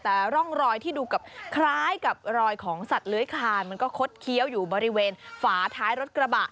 แต่ร่องรอยที่ดูกับคล้ายกับรอยของสัตว์เลื้อยคลานมันก็คดเคี้ยวอยู่บริเวณฝาท้ายรถกระบะ